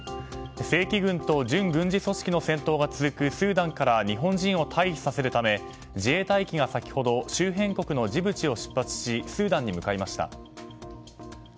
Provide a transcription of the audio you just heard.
正規軍と準軍事組織の戦闘が続くスーダンから日本人を退避させるため自衛隊機が先ほど周辺国のジブチを出発しスーダンに向かいました。